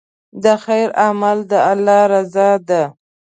د خیر عمل د الله رضا ده.